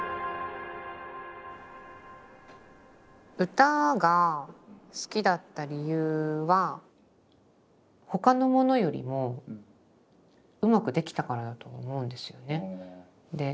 歌が好きだった理由は他のものよりもうまくできたからだと思うんですよね。